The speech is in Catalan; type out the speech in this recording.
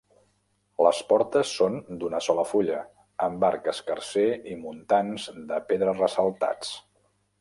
Les portes són d'una sola fulla, amb arc escarser i muntants de pedra ressaltats.